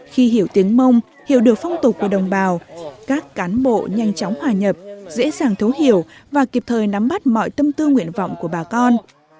khi hiểu tiếng mông hiểu được phong tục của đồng bào các cán bộ nhanh chóng hòa nhập dễ dàng thấu hiểu và kịp thời nắm bắt mọi tâm tư nguyện vọng của bà con